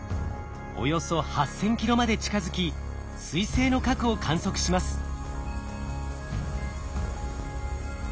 およそ８，０００キロまで近づき彗星の核を観測します。